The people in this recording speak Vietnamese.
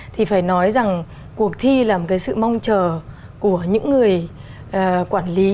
thì phải nói rằng cuộc thi là một cái sự mong chờ của những người quản lý